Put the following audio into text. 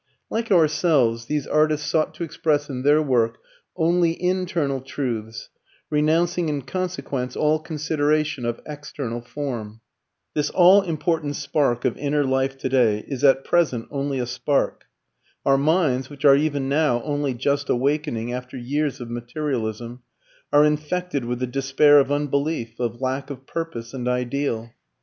Like ourselves, these artists sought to express in their work only internal truths, renouncing in consequence all consideration of external form. This all important spark of inner life today is at present only a spark. Our minds, which are even now only just awakening after years of materialism, are infected with the despair of unbelief, of lack of purpose and ideal.